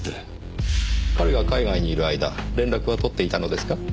彼が海外にいる間連絡は取っていたのですか？